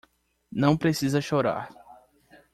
Não precisa chorar.